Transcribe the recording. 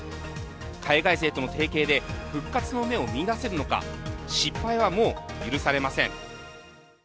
海外勢との提携で復活の芽を見いだせるのか、失敗はもう許されません。